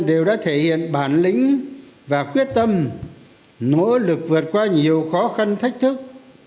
đều đã thể hiện bản lĩnh và quyết tâm nỗ lực vượt qua nhiều khó khăn thách thức